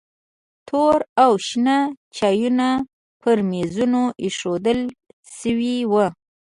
تور او شنه چایونه پر میزونو ایښودل شوي وو.